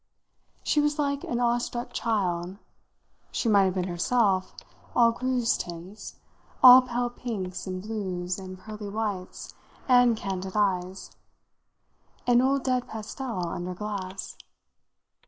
She was like an awestruck child; she might have been herself all Greuze tints, all pale pinks and blues and pearly whites and candid eyes an old dead pastel under glass.